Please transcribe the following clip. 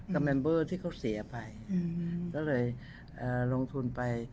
แมมเบอร์ที่เขาเสียไปก็เลยลงทุนไป